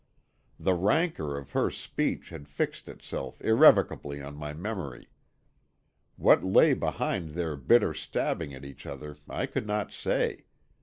The rancor of her speech had fixed itself irrevocably on my memory. What lay behind their bitter stabbing at each other I could not say.